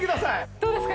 どうですか？